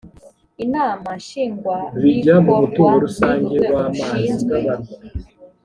inama nshingwabikorwa ni urwego rushinzwe